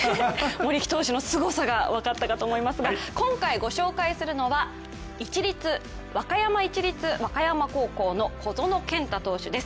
森木投手のすごさが分かったかと思いますが今回ご紹介するのは市立和歌山高校の小園健太投手です。